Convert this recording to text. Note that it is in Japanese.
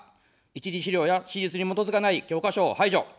一次史料や史実に基づかない教科書を排除。